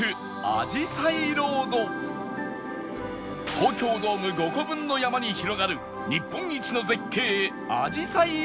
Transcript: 東京ドーム５個分の山に広がる日本一の絶景あじさい園と